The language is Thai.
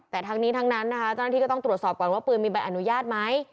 แต่ทั้งนี้ทั้งนั้นนะคะเจ้าหน้าที่ก็ต้องตรวจสอบก่อนว่าปืนมีใบอนุญาตไหม